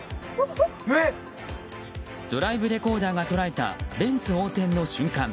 ドライブレコーダーが捉えたベンツ横転の瞬間。